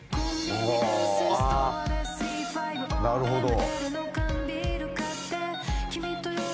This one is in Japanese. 「なるほど」